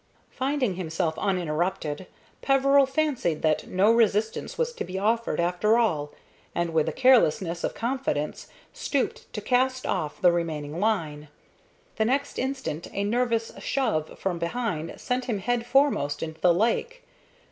Finding himself uninterrupted, Peveril fancied that no resistance was to be offered, after all, and, with the carelessness of confidence, stooped to cast off the remaining line. The next instant a nervous shove from behind sent him headforemost into the lake.